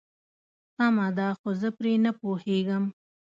سمه ده خو زه پرې نه پوهيږم.